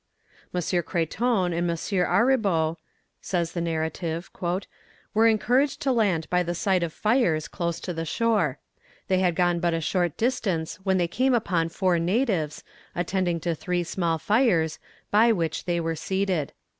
"M. Creton and M. Auribeau," says the narrative, "were encouraged to land by the sight of fires close to the shore. They had gone but a short distance when they came upon four natives, attending to three small fires, by which they were seated.